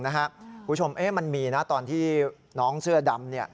คุณผู้ชมมันมีนะตอนที่น้องเสื้อดำ